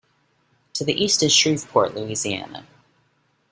To the east is Shreveport, Louisiana.